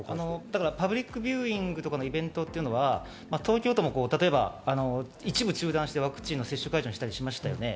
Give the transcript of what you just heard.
パブリックビューイングとかのイベントっていうのは東京都も一部中断してワクチンの接種会場にしたりしましたね。